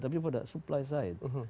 tapi pada supply side